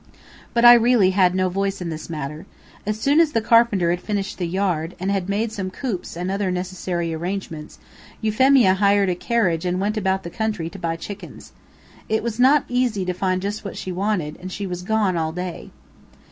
But I really had no voice in this matter. As soon as the carpenter had finished the yard, and had made some coops and other necessary arrangements, Euphemia hired a carriage and went about the country to buy chickens. It was not easy to find just what she wanted, and she was gone all day.